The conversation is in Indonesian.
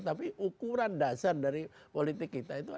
tapi ukuran dasar dari politik kewarganegaraan